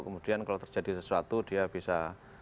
kemudian kalau terjadi sesuatu dia bisa